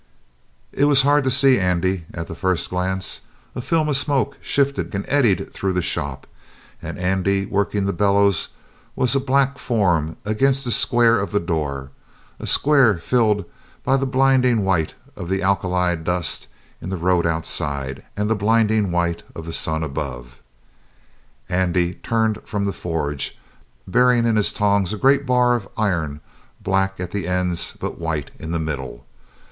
It was hard to see Andy at the first glance. A film of smoke shifted and eddied through the shop, and Andy, working the bellows, was a black form against the square of the door, a square filled by the blinding white of the alkali dust in the road outside and the blinding white of the sun above. Andy turned from the forge, bearing in his tongs a great bar of iron black at the ends but white in the middle.